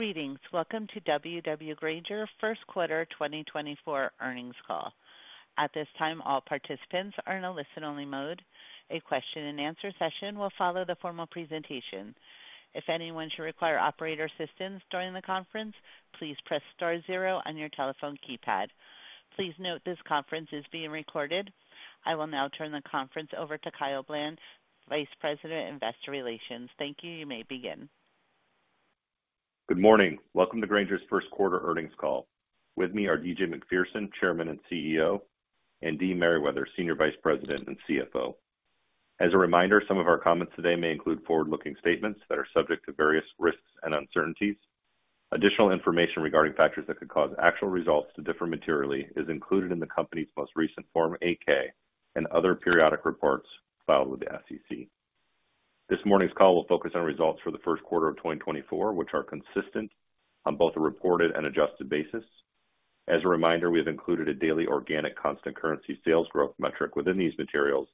Greetings. Welcome to W.W. Grainger First Quarter 2024 earnings call. At this time, all participants are in a listen-only mode. A question-and-answer session will follow the formal presentation. If anyone should require operator assistance during the conference, please press star zero on your telephone keypad. Please note, this conference is being recorded. I will now turn the conference over to Kyle Bland, Vice President, Investor Relations. Thank you. You may begin. Good morning. Welcome to Grainger's First Quarter earnings call. With me are D.G. Macpherson, Chairman and CEO, and Dee Merriwether, Senior Vice President and CFO. As a reminder, some of our comments today may include forward-looking statements that are subject to various risks and uncertainties. Additional information regarding factors that could cause actual results to differ materially is included in the company's most recent Form 8-K and other periodic reports filed with the SEC. This morning's call will focus on results for the first quarter of 2024, which are consistent on both a reported and adjusted basis. As a reminder, we have included a daily organic constant currency sales growth metric within these materials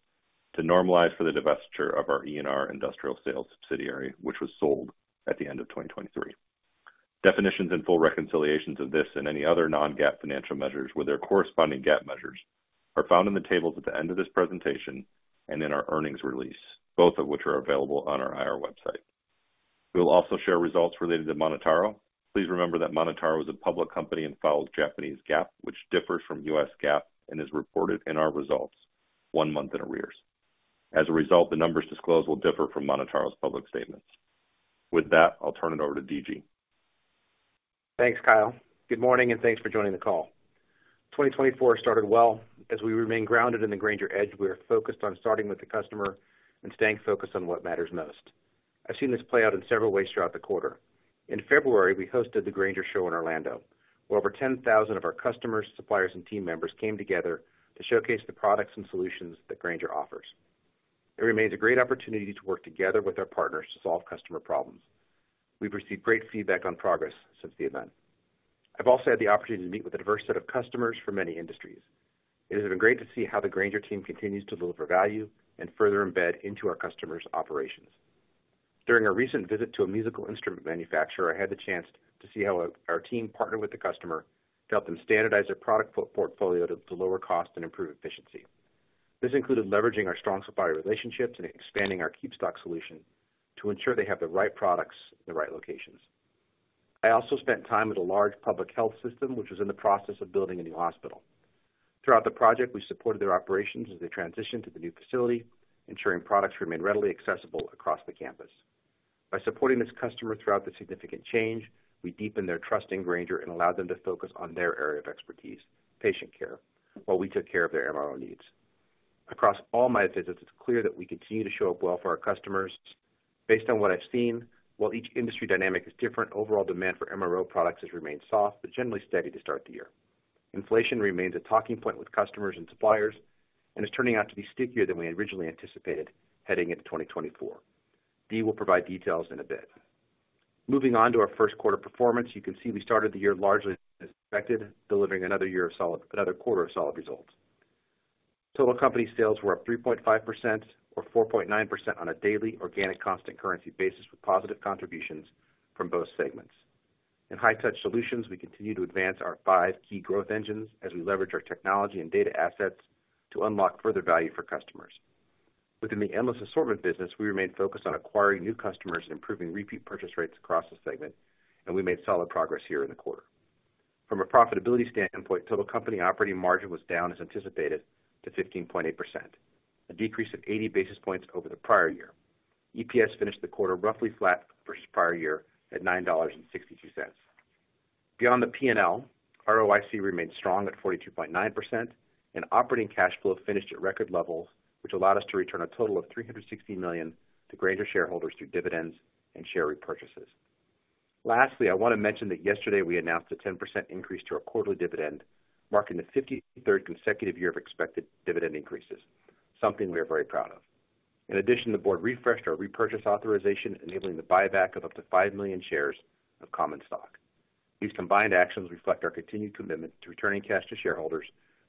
to normalize for the divestiture of our E&R Industrial Sales subsidiary, which was sold at the end of 2023. Definitions and full reconciliations of this and any other non-GAAP financial measures with their corresponding GAAP measures are found in the tables at the end of this presentation and in our earnings release, both of which are available on our IR website. We will also share results related to MonotaRO. Please remember that MonotaRO is a public company and files Japanese GAAP, which differs from U.S. GAAP and is reported in our results one month in arrears. As a result, the numbers disclosed will differ from MonotaRO's public statements. With that, I'll turn it over to D.G. Thanks, Kyle. Good morning, and thanks for joining the call. 2024 started well. As we remain grounded in the Grainger Edge, we are focused on starting with the customer and staying focused on what matters most. I've seen this play out in several ways throughout the quarter. In February, we hosted the Grainger Show in Orlando, where over 10,000 of our customers, suppliers, and team members came together to showcase the products and solutions that Grainger offers. It remains a great opportunity to work together with our partners to solve customer problems. We've received great feedback on progress since the event. I've also had the opportunity to meet with a diverse set of customers from many industries. It has been great to see how the Grainger team continues to deliver value and further embed into our customers' operations. During a recent visit to a musical instrument manufacturer, I had the chance to see how our team partnered with the customer to help them standardize their product portfolio to lower cost and improve efficiency. This included leveraging our strong supplier relationships and expanding our KeepStock solution to ensure they have the right products in the right locations. I also spent time with a large public health system, which was in the process of building a new hospital. Throughout the project, we supported their operations as they transitioned to the new facility, ensuring products remained readily accessible across the campus. By supporting this customer throughout the significant change, we deepened their trust in Grainger and allowed them to focus on their area of expertise, patient care, while we took care of their MRO needs. Across all my visits, it's clear that we continue to show up well for our customers. Based on what I've seen, while each industry dynamic is different, overall demand for MRO products has remained soft, but generally steady to start the year. Inflation remains a talking point with customers and suppliers, and is turning out to be stickier than we originally anticipated heading into 2024. Dee will provide details in a bit. Moving on to our first quarter performance, you can see we started the year largely as expected, delivering another quarter of solid results. Total company sales were up 3.5% or 4.9% on a daily organic constant currency basis, with positive contributions from both segments. In High-Touch Solutions, we continue to advance our five key growth engines as we leverage our technology and data assets to unlock further value for customers. Within the Endless Assortment business, we remain focused on acquiring new customers and improving repeat purchase rates across the segment, and we made solid progress here in the quarter. From a profitability standpoint, total company operating margin was down, as anticipated, to 15.8%, a decrease of 80 basis points over the prior year. EPS finished the quarter roughly flat versus prior year at $9.62. Beyond the P&L, ROIC remained strong at 42.9%, and operating cash flow finished at record levels, which allowed us to return a total of $360 million to Grainger shareholders through dividends and share repurchases. Lastly, I want to mention that yesterday we announced a 10% increase to our quarterly dividend, marking the 53rd consecutive year of expected dividend increases, something we are very proud of. In addition, the Board refreshed our repurchase authorization, enabling the buyback of up to 5 million shares of common stock. These combined actions reflect our continued commitment to returning cash to shareholders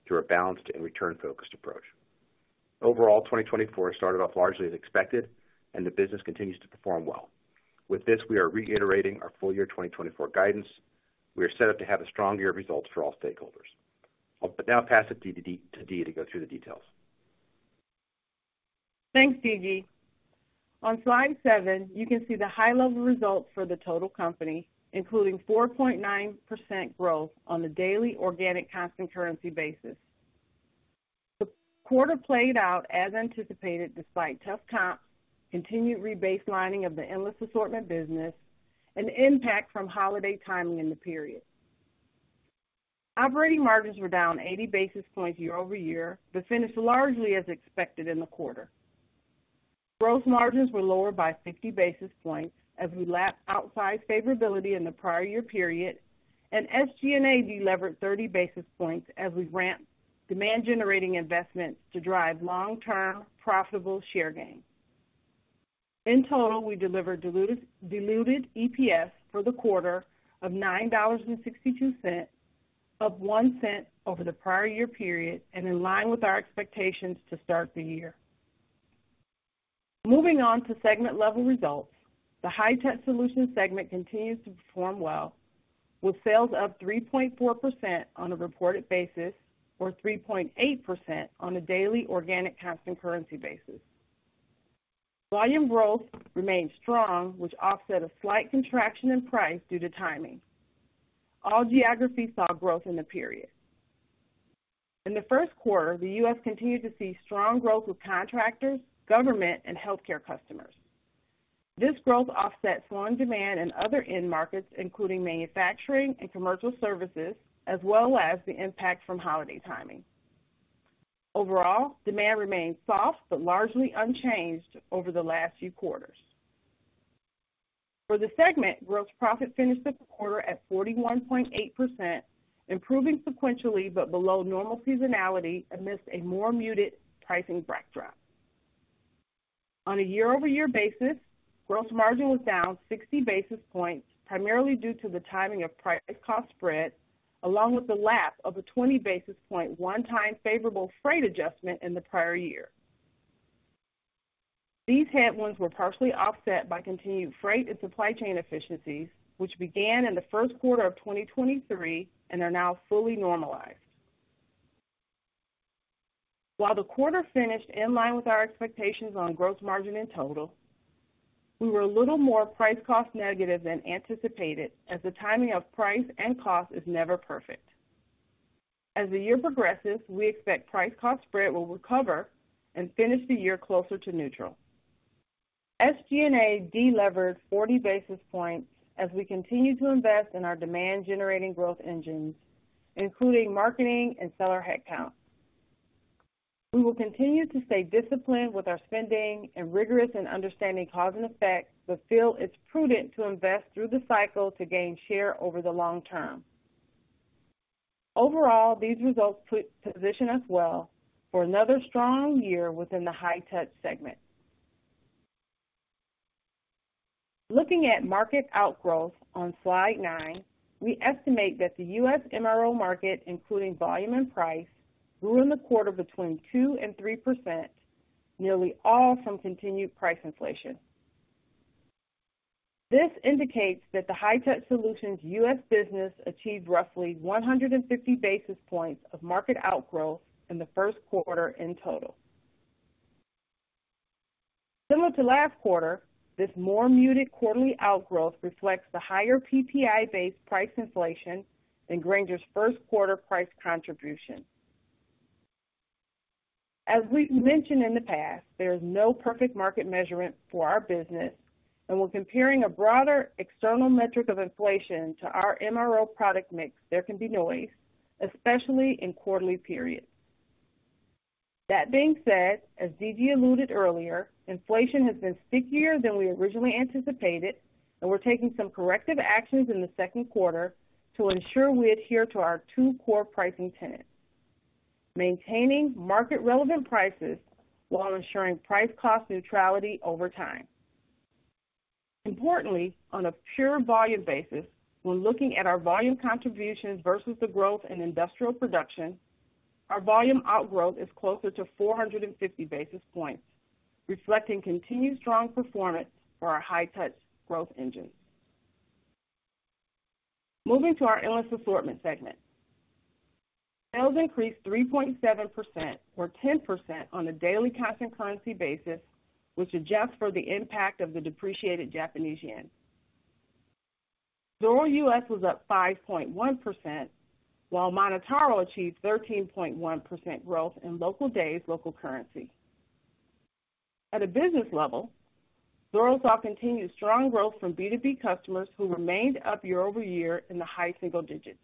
through a balanced and return-focused approach. Overall, 2024 started off largely as expected, and the business continues to perform well. With this, we are reiterating our full-year 2024 guidance. We are set up to have a strong year of results for all stakeholders. I'll now pass it to Dee to go through the details. Thanks, D.G. On slide 7, you can see the high-level results for the total company, including 4.9% growth on a daily organic constant currency basis. The quarter played out as anticipated, despite tough comps, continued rebaselining of the Endless Assortment business, and impact from holiday timing in the period. Operating margins were down 80 basis points year-over-year, but finished largely as expected in the quarter. Gross margins were lower by 50 basis points as we lapped outsized favorability in the prior year period, and SG&A delevered 30 basis points as we ramped demand-generating investments to drive long-term, profitable share gains. In total, we delivered diluted EPS for the quarter of $9.62, up 1 cent over the prior year period and in line with our expectations to start the year. Moving on to segment level results. The High-Touch Solutions segment continues to perform well, with sales up 3.4% on a reported basis, or 3.8% on a daily organic constant currency basis. Volume growth remained strong, which offset a slight contraction in price due to timing. All geographies saw growth in the period. In the first quarter, the U.S. continued to see strong growth with contractors, government, and healthcare customers. This growth offset slowing demand in other end markets, including manufacturing and commercial services, as well as the impact from holiday timing. Overall, demand remained soft but largely unchanged over the last few quarters. For the segment, gross profit finished the quarter at 41.8%, improving sequentially but below normal seasonality amidst a more muted pricing backdrop. On a year-over-year basis, gross margin was down 60 basis points, primarily due to the timing of price-cost spread, along with the lapse of a 20 basis point one-time favorable freight adjustment in the prior year. These headwinds were partially offset by continued freight and supply chain efficiencies, which began in the first quarter of 2023 and are now fully normalized. While the quarter finished in line with our expectations on gross margin in total, we were a little more price-cost negative than anticipated, as the timing of price and cost is never perfect. As the year progresses, we expect price-cost spread will recover and finish the year closer to neutral. SG&A delevered 40 basis points as we continue to invest in our demand-generating growth engines, including marketing and seller headcount. We will continue to stay disciplined with our spending and rigorous in understanding cause and effect, but feel it's prudent to invest through the cycle to gain share over the long term. Overall, these results position us well for another strong year within the High-Touch segment. Looking at market outgrowth on slide 9, we estimate that the U.S. MRO market, including volume and price, grew in the quarter 2%-3%, nearly all from continued price inflation. This indicates that the High-Touch Solutions U.S. business achieved roughly 150 basis points of market outgrowth in the first quarter in total. Similar to last quarter, this more muted quarterly outgrowth reflects the higher PPI-based price inflation than Grainger's first quarter price contribution. As we've mentioned in the past, there is no perfect market measurement for our business, and when comparing a broader external metric of inflation to our MRO product mix, there can be noise, especially in quarterly periods. That being said, as D.G. alluded earlier, inflation has been stickier than we originally anticipated, and we're taking some corrective actions in the second quarter to ensure we adhere to our two core pricing tenets: maintaining market-relevant prices while ensuring price-cost neutrality over time. Importantly, on a pure volume basis, when looking at our volume contributions versus the growth in industrial production, our volume outgrowth is closer to 450 basis points, reflecting continued strong performance for our High-Touch growth engines. Moving to our Endless Assortment segment. Sales increased 3.7% or 10% on a daily constant currency basis, which adjusts for the impact of the depreciated Japanese yen. Zoro U.S. was up 5.1%, while MonotaRO achieved 13.1% growth in local days, local currency. At a business level, Zoro saw continued strong growth from B2B customers who remained up year-over-year in the high-single digits.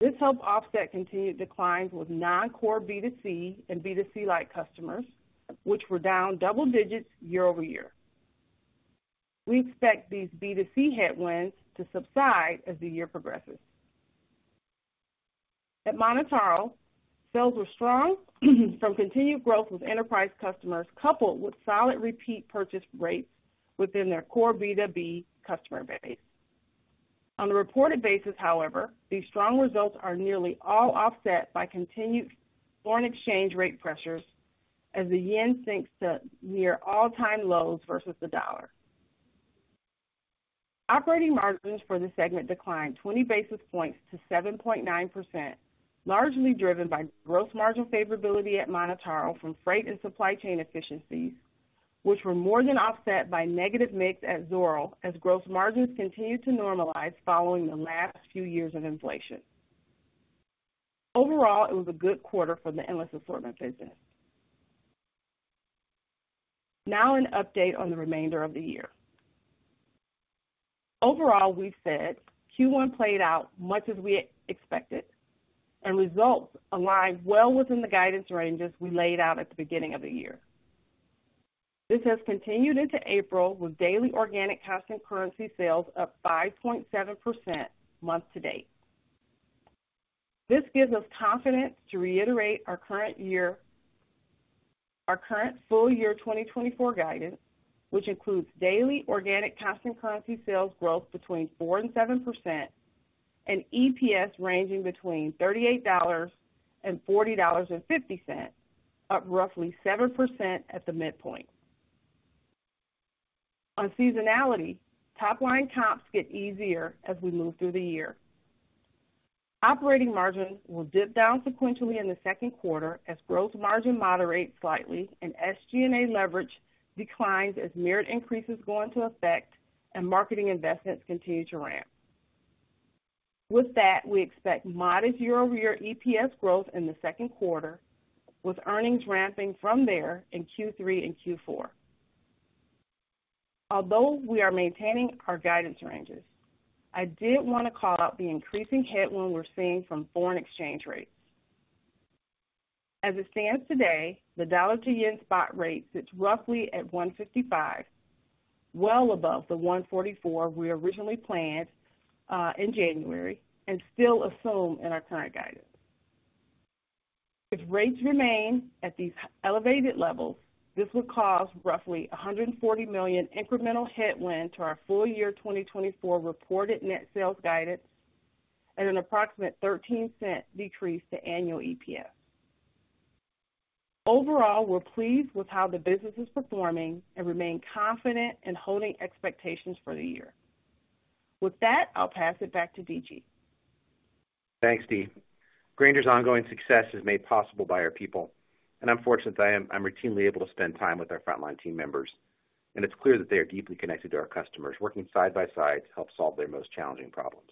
This helped offset continued declines with non-core B2C and B2C-like customers, which were down double digits year-over-year. We expect these B2C headwinds to subside as the year progresses. At MonotaRO, sales were strong from continued growth with enterprise customers, coupled with solid repeat purchase rates within their core B2B customer base. On a reported basis, however, these strong results are nearly all offset by continued foreign exchange rate pressures as the yen sinks to near all-time lows versus the dollar. Operating margins for the segment declined 20 basis points to 7.9%, largely driven by gross margin favorability at MonotaRO from freight and supply chain efficiencies, which were more than offset by negative mix at Zoro as gross margins continued to normalize following the last few years of inflation. Overall, it was a good quarter for the Endless Assortment business. Now, an update on the remainder of the year. Overall, we've said Q1 played out much as we expected, and results align well within the guidance ranges we laid out at the beginning of the year. This has continued into April, with daily organic constant currency sales up 5.7% month to date. This gives us confidence to reiterate our current year, our current full year 2024 guidance, which includes daily organic constant currency sales growth between 4% and 7% and EPS ranging between $38 and $40.50, up roughly 7% at the midpoint. On seasonality, top line comps get easier as we move through the year. Operating margins will dip down sequentially in the second quarter as gross margin moderates slightly and SG&A leverage declines as merit increases go into effect and marketing investments continue to ramp. With that, we expect modest year-over-year EPS growth in the second quarter, with earnings ramping from there in Q3 and Q4. Although we are maintaining our guidance ranges, I did wanna call out the increasing headwind we're seeing from foreign exchange rates. As it stands today, the dollar to yen spot rate sits roughly at 155, well above the 144 we originally planned in January and still assumed in our current guidance. If rates remain at these elevated levels, this would cause roughly $140 million incremental headwind to our full year 2024 reported net sales guidance at an approximate $0.13 decrease to annual EPS. Overall, we're pleased with how the business is performing and remain confident in holding expectations for the year. With that, I'll pass it back to D.G. Thanks, Dee. Grainger's ongoing success is made possible by our people, and I'm fortunate I'm routinely able to spend time with our frontline team members, and it's clear that they are deeply connected to our customers, working side by side to help solve their most challenging problems.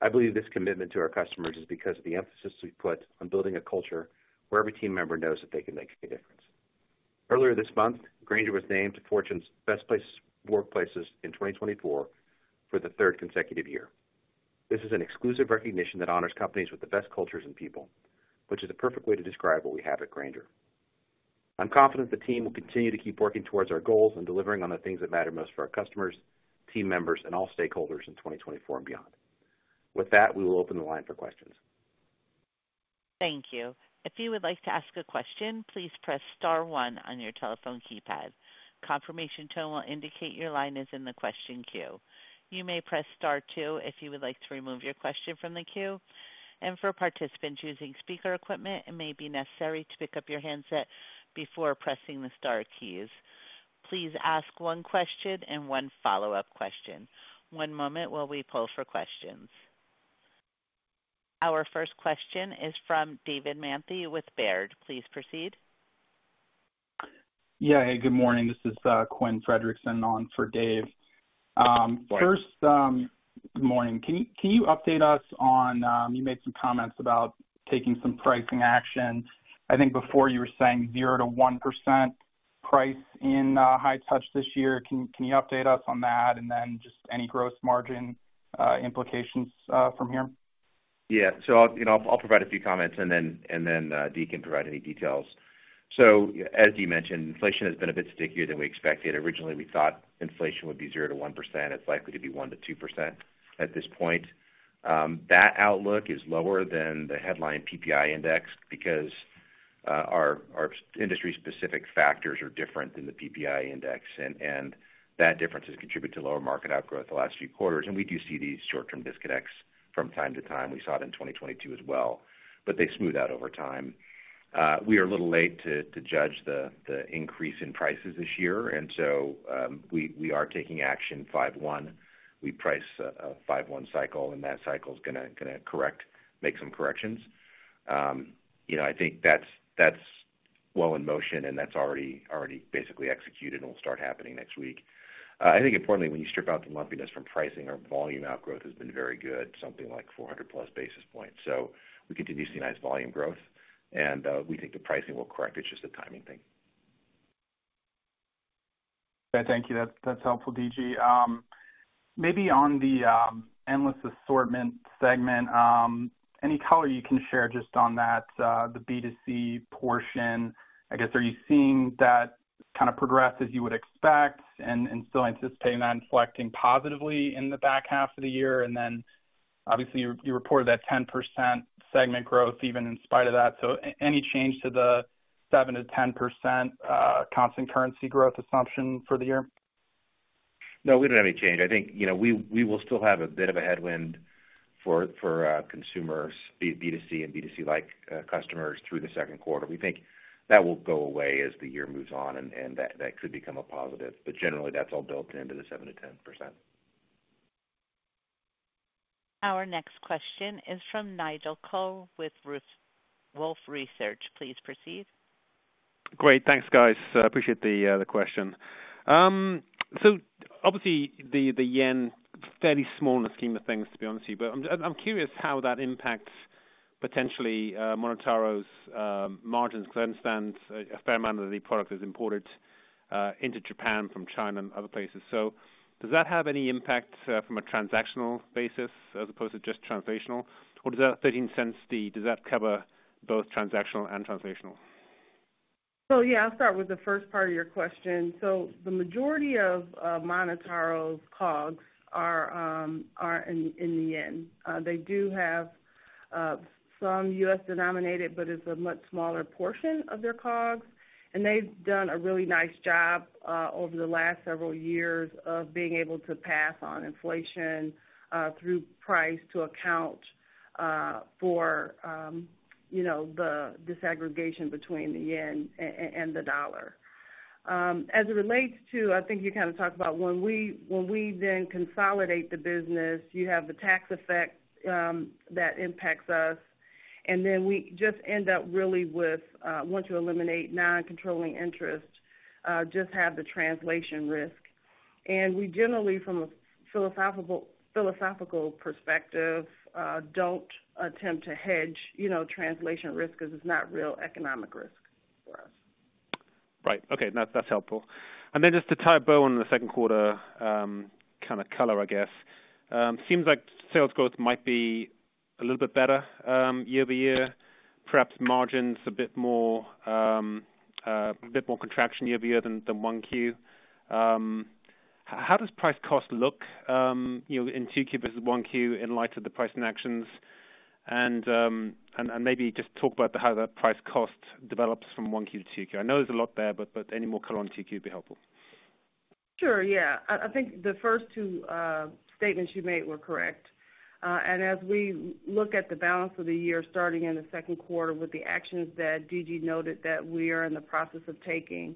I believe this commitment to our customers is because of the emphasis we put on building a culture where every team member knows that they can make a difference. Earlier this month, Grainger was named Fortune's Best Workplaces in 2024 for the third consecutive year. This is an exclusive recognition that honors companies with the best cultures and people, which is a perfect way to describe what we have at Grainger. I'm confident the team will continue to keep working towards our goals and delivering on the things that matter most for our customers, team members, and all stakeholders in 2024 and beyond. With that, we will open the line for questions. Thank you. If you would like to ask a question, please press star one on your telephone keypad. Confirmation tone will indicate your line is in the question queue. You may press star two if you would like to remove your question from the queue, and for participants using speaker equipment, it may be necessary to pick up your handset before pressing the star keys. Please ask one question and one follow-up question. One moment while we pull for questions. Our first question is from David Manthey with Baird. Please proceed. Yeah. Hey, good morning. This is Quinn Fredrickson on for Dave. First, good morning. Can you update us on you made some comments about taking some pricing actions? I think before you were saying 0%-1% price in High-Touch this year. Can you update us on that? And then just any gross margin implications from here? Yeah. You know, I'll provide a few comments and then, and then, Dee can provide any details. As Dee mentioned, inflation has been a bit stickier than we expected. Originally, we thought inflation would be 0%-1%. It's likely to be 1%-2% at this point. That outlook is lower than the headline PPI index because, our, our industry specific factors are different than the PPI index, and that difference has contributed to lower market outgrowth the last few quarters. We do see these short-term disconnects from time to time. We saw it in 2022 as well, but they smooth out over time. We are a little late to judge the, the increase in prices this year, and so, we, we are taking action 5/1. We price a 5/1 cycle, and that cycle is gonna correct and make some corrections. You know, I think that's well in motion and that's already basically executed and will start happening next week. I think importantly, when you strip out the lumpiness from pricing, our volume outgrowth has been very good, something like 400+ basis points. We continue to see nice volume growth and we think the pricing will correct. It's just a timing thing. Thank you. That's, that's helpful, D.G. Maybe on the Endless Assortment segment, any color you can share just on that, the B2C portion? I guess, are you seeing that kind of progress as you would expect and still anticipating that inflecting positively in the back half of the year? Then obviously you reported that 10% segment growth even in spite of that. Any change to the 7%-10% constant currency growth assumption for the year? No, we don't have any change. I think, you know, we will still have a bit of a headwind for consumers, be it B2C and B2C-like customers, through the second quarter. We think that will go away as the year moves on and that could become a positive. Generally, that's all built into the 7%-10%. Our next question is from Nigel Coe with Wolfe Research. Please proceed. Great, thanks, guys. I appreciate the question. Obviously the yen, fairly small in the scheme of things, to be honest with you. I'm curious how that impacts potentially MonotaRO's margins, because I understand a fair amount of the product is imported into Japan from China and other places. Does that have any impact from a transactional basis as opposed to just translational, or does that $0.13, Dee, cover both transactional and translational? Yeah, I'll start with the first part of your question. The majority of MonotaRO's COGS are in the yen. They do have some U.S. denominated, but it's a much smaller portion of their COGS, and they've done a really nice job over the last several years of being able to pass on inflation through price to account for, you know, the disaggregation between the yen and the dollar. As it relates to, I think you kinda talked about when we, when we then consolidate the business, you have the tax effect that impacts us, and then we just end up really with, once you eliminate non-controlling interest, just have the translation risk. We generally, from a philosophical perspective, don't attempt to hedge, you know, translation risk because it's not real economic risk for us. Right. Okay, that's helpful. Then just to tie a bow on the second quarter, kind of color, I guess. Seems like sales growth might be a little bit better year-over-year, perhaps margins a bit more contraction year-over-year than 1Q. How does price-cost look, you know, in 2Q versus 1Q, in light of the pricing actions? Maybe just talk about how the price-cost develops from 1Q-2Q. I know there's a lot there, but any more color on 2Q would be helpful. Sure. Yeah. I think the first two statements you made were correct. As we look at the balance of the year, starting in the second quarter with the actions that D.G. noted that we are in the process of taking,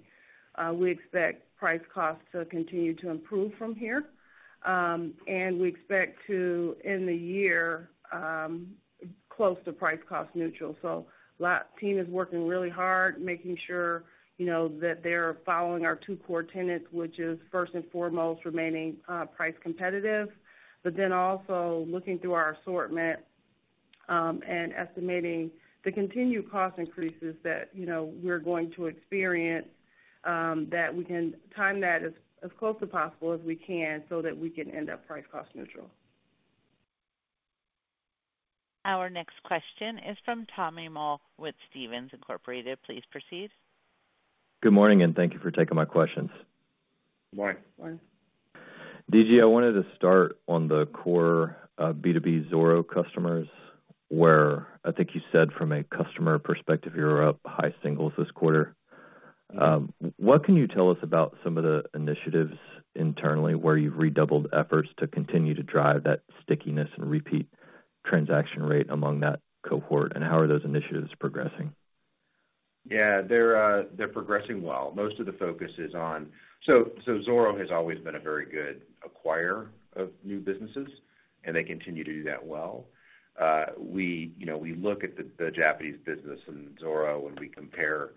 we expect price-costs to continue to improve from here. We expect to end the year close to price-cost neutral. The team is working really hard, making sure, you know, that they're following our two core tenets, which is, first and foremost, remaining price competitive, but then also looking through our assortment and estimating the continued cost increases that, you know, we're going to experience, that we can time that as close as possible as we can, so that we can end up price-cost neutral. Our next question is from Tommy Moll with Stephens Inc. Please proceed. Good morning, and thank you for taking my questions. Good morning. Good morning. D.G., I wanted to start on the core, B2B Zoro customers, where I think you said from a customer perspective, you were up high singles this quarter. What can you tell us about some of the initiatives internally, where you've redoubled efforts to continue to drive that stickiness and repeat transaction rate among that cohort, and how are those initiatives progressing? Yeah, they're progressing well. Most of the focus is on so Zoro has always been a very good acquirer of new businesses, and they continue to do that well. We, you know, we look at the Japanese business and Zoro, when we compare,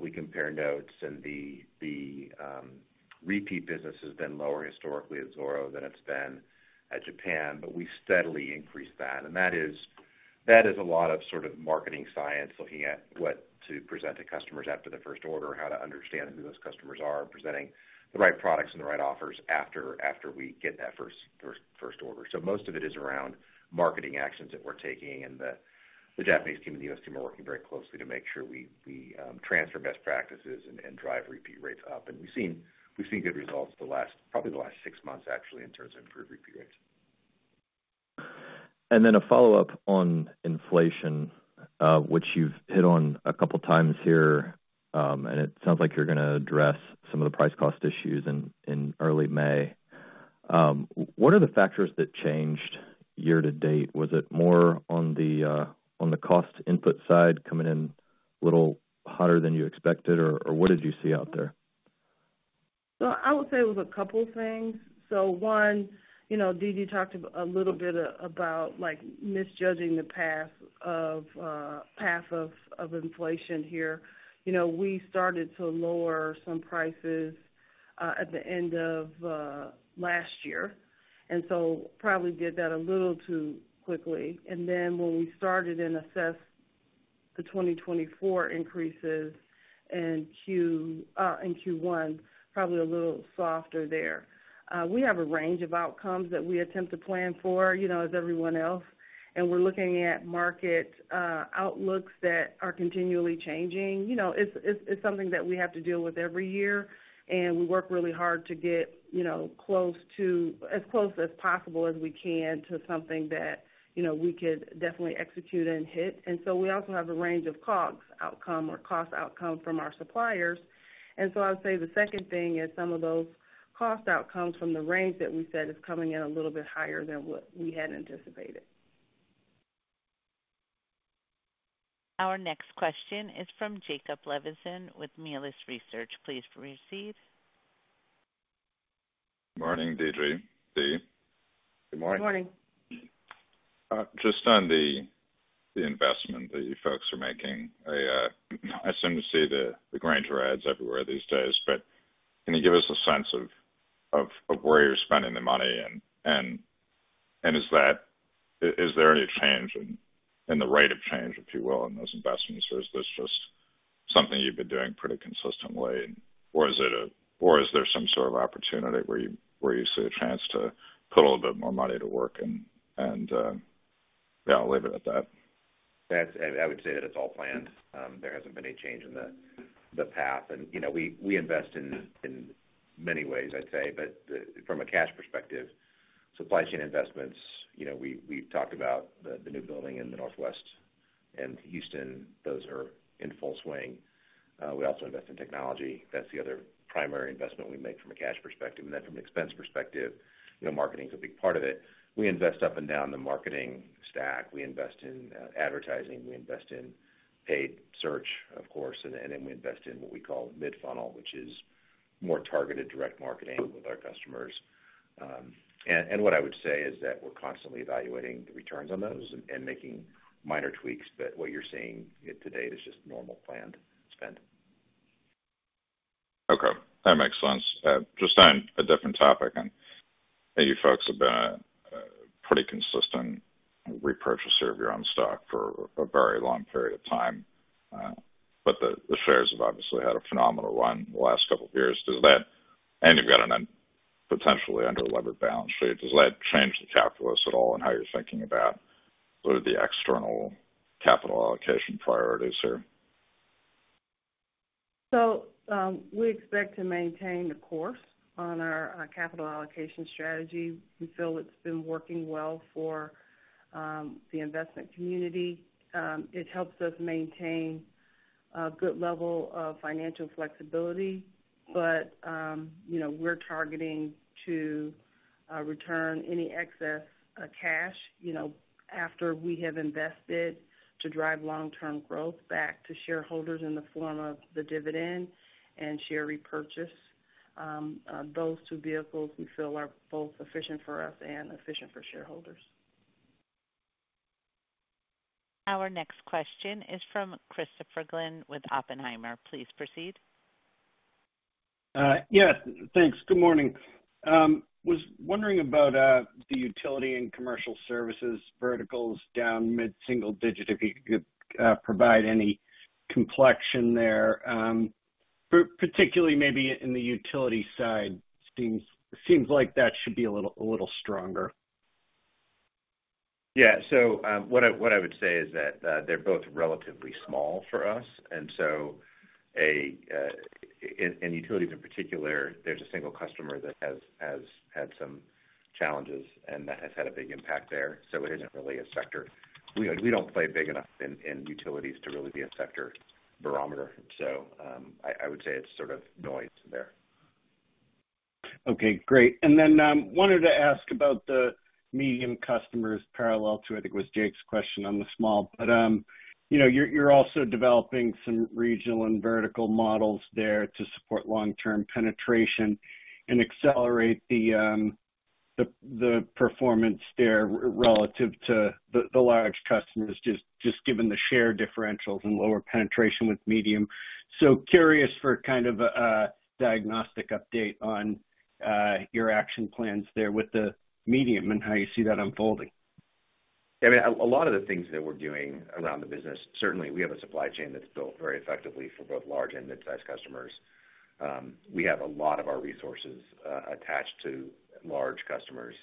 we compare notes, and the repeat business has been lower historically at Zoro than it's been at Japan, but we steadily increase that. That is a lot of sort of marketing science, looking at what to present to customers after the first order, how to understand who those customers are, presenting the right products and the right offers after we get that first order. Most of it is around marketing actions that we're taking, and the Japanese team and the U.S. team are working very closely to make sure we transfer best practices and drive repeat rates up. We've seen good results, probably the last six months, actually, in terms of improved repeat rates. A follow-up on inflation, which you've hit on a couple times here, and it sounds like you're gonna address some of the price-cost issues in early May. What are the factors that changed year to date? Was it more on the cost input side, coming in a little hotter than you expected, or what did you see out there? I would say it was a couple things. One, you know, D.G. talked a little bit about, like, misjudging the path of inflation here. You know, we started to lower some prices at the end of last year, and so probably did that a little too quickly. Then when we started and assessed the 2024 increases in Q1, probably a little softer there. We have a range of outcomes that we attempt to plan for, you know, as everyone else, and we're looking at market outlooks that are continually changing. You know, it's something that we have to deal with every year, and we work really hard to get, you know, close to—as close as possible as we can to something that, you know, we could definitely execute and hit. We also have a range of COGS outcome or cost outcome from our suppliers. I would say the second thing is some of those cost outcomes from the range that we set is coming in a little bit higher than what we had anticipated. Our next question is from Jacob Levinson with Melius Research. Please proceed. Morning, Deidra. Dee. Good morning. Good morning. Just on the investment that you folks are making, I seem to see the Grainger ads everywhere these days, but can you give us a sense of where you're spending the money? Is that, is there any change in the rate of change, if you will, in those investments, or is this just something you've been doing pretty consistently? Is there some sort of opportunity where you see a chance to put a little bit more money to work. Yeah, I'll leave it at that. That's, I would say that it's all planned. There hasn't been any change in the path. You know, we invest in many ways, I'd say, but from a cash perspective, supply chain investments, you know, we've talked about the new building in the Northwest and Houston, those are in full swing. We also invest in technology. That's the other primary investment we make from a cash perspective. Then from an expense perspective, you know, marketing is a big part of it. We invest up and down the marketing stack. We invest in advertising, we invest in paid search, of course, and then we invest in what we call mid-funnel, which is more targeted direct marketing with our customers. What I would say is that we're constantly evaluating the returns on those and making minor tweaks, but what you're seeing to date is just normal planned spend. Okay, that makes sense. Just on a different topic, and you folks have been a pretty consistent repurchaser of your own stock for a very long period of time. The shares have obviously had a phenomenal run in the last couple of years. Does that, and you've got a potentially under-levered balance sheet, does that change the calculus at all in how you're thinking about what are the external capital allocation priorities here? We expect to maintain the course on our capital allocation strategy. We feel it's been working well for the investment community. It helps us maintain a good level of financial flexibility, but you know, we're targeting to return any excess cash, you know, after we have invested to drive long-term growth back to shareholders in the form of the dividend and share repurchase. Those two vehicles, we feel are both efficient for us and efficient for shareholders. Our next question is from Christopher Glynn with Oppenheimer. Please proceed. Yes, thanks. Good morning. Was wondering about the utility and commercial services verticals down mid-single digit, if you could provide any complexion there, particularly maybe in the utility side. Seems like that should be a little stronger? Yeah. What I would say is that they're both relatively small for us, and so in utilities, in particular, there's a single customer that has had some challenges, and that has had a big impact there. It isn't really a sector. We don't play big enough in utilities to really be a sector barometer. I would say it's sort of noise there. Okay, great. Then, wanted to ask about the medium customers parallel to, I think, it was Jake's question on the small. You know, you're, you're also developing some regional and vertical models there to support long-term penetration and accelerate the, the, the performance there relative to the, the large customers, just, just given the share differentials and lower penetration with medium. Curious for kind of a, a diagnostic update on, your action plans there with the medium and how you see that unfolding? I mean, a lot of the things that we're doing around the business, certainly we have a supply chain that's built very effectively for both large and mid-sized customers. We have a lot of our resources attached to large customers,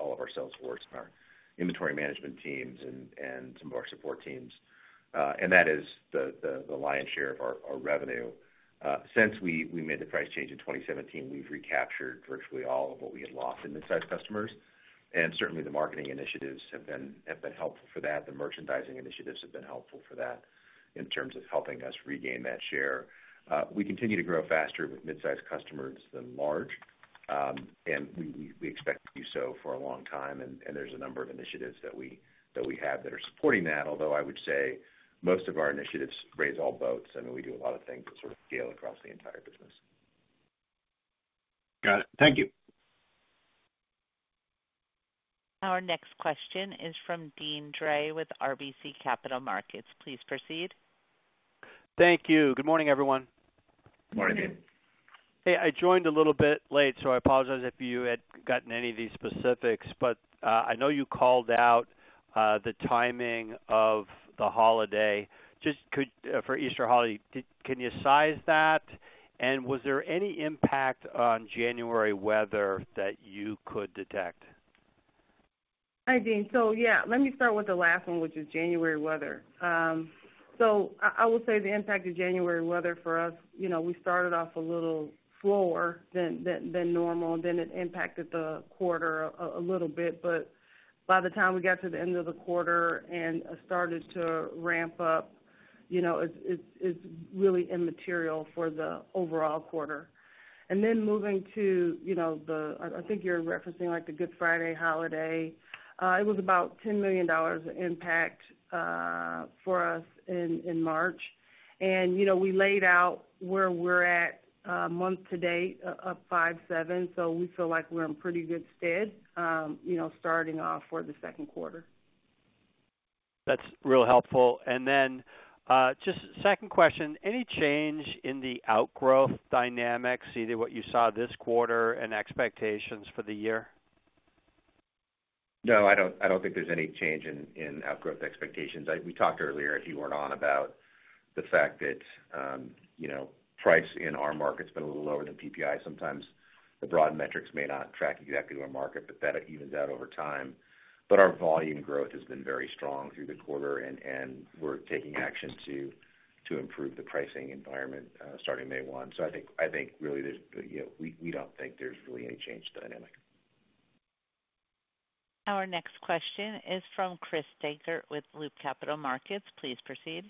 all of our sales force and our inventory management teams and some of our support teams, and that is the lion's share of our revenue. Since we made the price change in 2017, we've recaptured virtually all of what we had lost in mid-size customers, and certainly, the marketing initiatives have been helpful for that. The merchandising initiatives have been helpful for that in terms of helping us regain that share. We continue to grow faster with mid-size customers than large, and we expect to do so for a long time, and there's a number of initiatives that we have that are supporting that. Although I would say most of our initiatives raise all boats, and we do a lot of things that sort of scale across the entire business. Got it. Thank you. Our next question is from Deane Dray with RBC Capital Markets. Please proceed. Thank you. Good morning, everyone. Good morning, Deane. Hey, I joined a little bit late, so I apologize if you had gotten any of these specifics, but I know you called out the timing of the holiday. Just, could you size that for the Easter holiday? Was there any impact on January weather that you could detect? Hi, Deane. Yeah, let me start with the last one, which is January weather. I will say the impact of January weather for us, you know, we started off a little slower than normal, then it impacted the quarter a little bit, but by the time we got to the end of the quarter and started to ramp up, you know, it's really immaterial for the overall quarter. Then moving to, you know, I think you're referencing, like, the Good Friday holiday. It was about $10 million impact for us in March. You know, we laid out where we're at, month to date, up 5.7, so we feel like we're in pretty good stead, you know, starting off for the second quarter. That's real helpful. Then, just second question, any change in the outgrowth dynamics, either what you saw this quarter and expectations for the year? No, I don't think there's any change in outgrowth expectations. We talked earlier, if you weren't on about the fact that, you know, price in our market's been a little lower than PPI. Sometimes the broad metrics may not track exactly to our market, but that evens out over time. Our volume growth has been very strong through the quarter, and we're taking action to improve the pricing environment starting May 1. I think really there's, you know, we don't think there's really any change to the dynamic. Our next question is from Chris Dankert with Loop Capital Markets. Please proceed.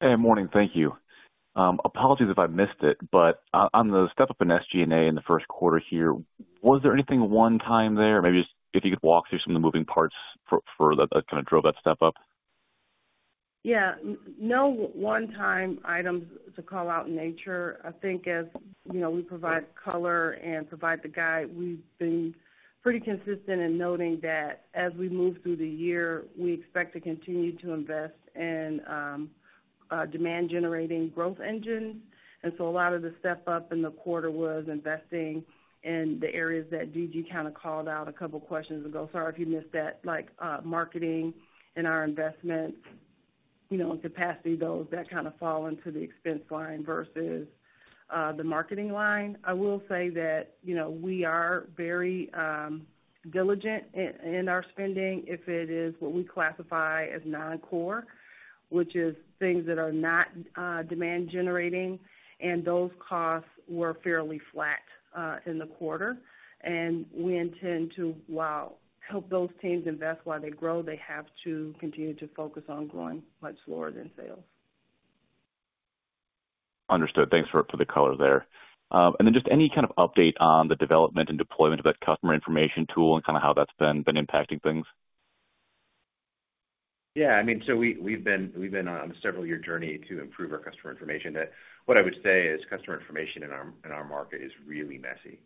Hey, morning. Thank you. Apologies if I missed it, but on the step up in SG&A in the first quarter here, was there anything one-time there? Maybe just if you could walk through some of the moving parts for that kind of drove that step up? Yeah, no one-time items to call out in nature. I think as, you know, we provide color and provide the guide, we've been pretty consistent in noting that as we move through the year, we expect to continue to invest in demand-generating growth engines. A lot of the step up in the quarter was investing in the areas that D.G. kind of called out a couple questions ago. Sorry if you missed that, like, marketing and our investments, you know, and capacity, those that kind of fall into the expense line versus the marketing line. I will say that, you know, we are very diligent in our spending if it is what we classify as non-core, which is things that are not demand generating, and those costs were fairly flat in the quarter. We intend to help those teams invest while they grow. They have to continue to focus on growing much lower than sales. Understood. Thanks for the color there. Then just any kind of update on the development and deployment of that customer information tool and kind of how that's been impacting things? Yeah, I mean, so we've been on a several-year journey to improve our customer information. That's what I would say is customer information in our market is really messy.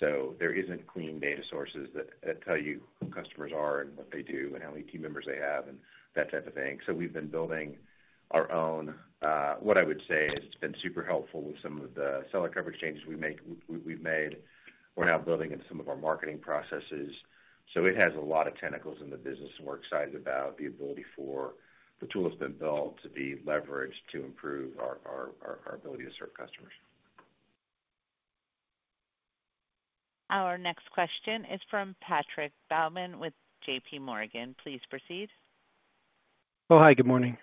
There isn't clean data sources that tell you who customers are and what they do and how many team members they have and that type of thing. We've been building our own, what I would say has been super helpful with some of the seller coverage changes we make, we've made. We're now building in some of our marketing processes, so it has a lot of tentacles in the business, and we're excited about the ability for the tool that's been built to be leveraged to improve our ability to serve customers. Our next question is from Patrick Baumann with JPMorgan. Please proceed. Oh, hi, good morning.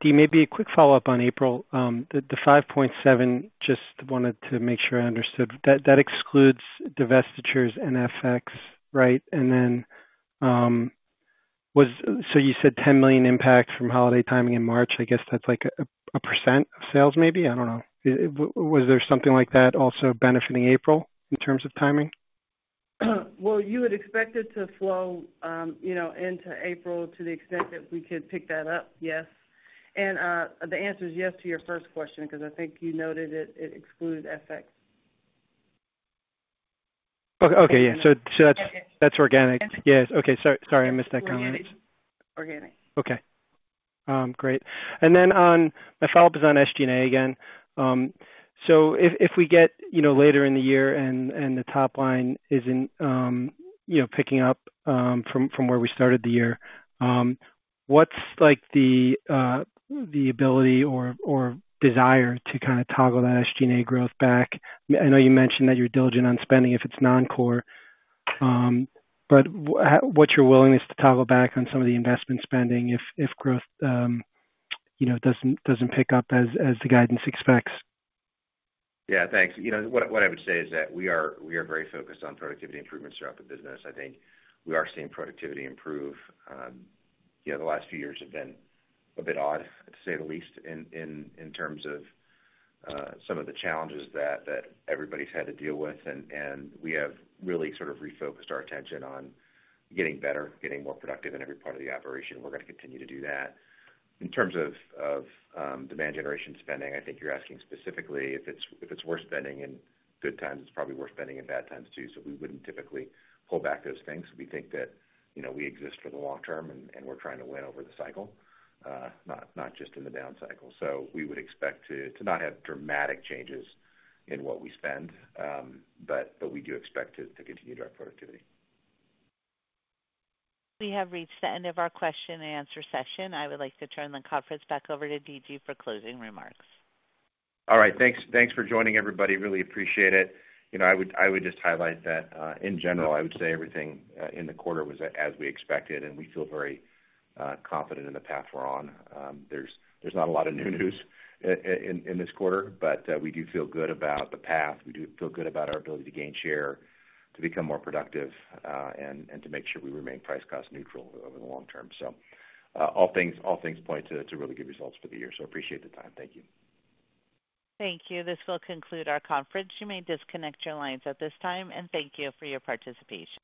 Dee, maybe a quick follow-up on April. The 5.7, just wanted to make sure I understood. That excludes divestitures and FX, right? Then, was so you said $10 million impact from holiday timing in March. I guess that's like a percent of sales, maybe? I don't know. Was there something like that also benefiting April in terms of timing? Well, you would expect it to flow, you know, into April, to the extent that we could pick that up, yes. The answer is yes to your first question, because I think you noted it, it excluded FX. Okay. Yeah. That's organic? Yes. Okay, sorry, I missed that comment. Organic. Okay. Great. Then, my follow-up is on SG&A again. If we get, you know, later in the year and the top line isn't, you know, picking up from where we started the year, what's like the ability or desire to kind of toggle that SG&A growth back? I know you mentioned that you're diligent on spending if it's non-core, but what's your willingness to toggle back on some of the investment spending if growth, you know, doesn't pick up as the guidance expects? Yeah, thanks. You know, what I would say is that we are very focused on productivity improvements throughout the business. I think we are seeing productivity improve. You know, the last few years have been a bit odd, to say the least, in terms of some of the challenges that everybody's had to deal with. We have really sort of refocused our attention on getting better, getting more productive in every part of the operation. We're going to continue to do that. In terms of demand generation spending, I think you're asking specifically if it's worth spending in good times, it's probably worth spending in bad times, too. We wouldn't typically pull back those things. We think that, you know, we exist for the long term, and we're trying to win over the cycle, not just in the down cycle. We would expect to not have dramatic changes in what we spend, but we do expect to continue to drive productivity. We have reached the end of our question and answer session. I would like to turn the conference back over to D.G. for closing remarks. All right. Thanks, thanks for joining, everybody. Really appreciate it. You know, I would, I would just highlight that in general, I would say everything in the quarter was as we expected, and we feel very confident in the path we're on. There's not a lot of new news in this quarter, but we do feel good about the path. We do feel good about our ability to gain share, to become more productive, and to make sure we remain price-cost neutral over the long term. All things point to really good results for the year. Appreciate the time. Thank you. Thank you. This will conclude our conference. You may disconnect your lines at this time, and thank you for your participation.